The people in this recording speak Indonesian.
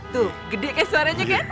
tuh gede kayak suaranya kan